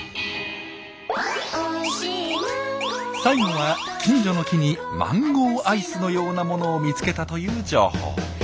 最後は近所の木にマンゴーアイスのようなものを見つけたという情報。